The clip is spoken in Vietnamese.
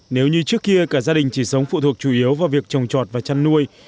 nếu như trước kia cả gia đình chỉ sống phụ thuộc chủ yếu vào việc trồng trọt và chăn nuôi